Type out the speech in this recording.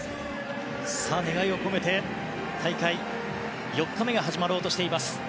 願いを込めて大会４日目が始まろうとしています。